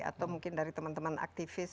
atau mungkin dari teman teman aktivis